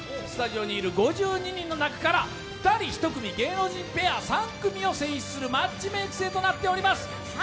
スタジオにいる５２人の中から２人１組芸能人ペア３組を選出するマッチメーク制となっております。